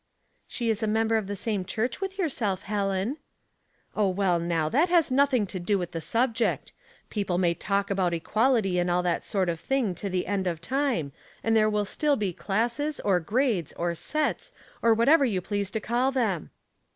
" She is a member of the same church with yourself, Helen." " Oh, well, now, that has nothing to do with the subject. People may talk about equality and all that sort of thing to the end of time, and there will still be classes, or grades, or sets, or whatever you please to call them."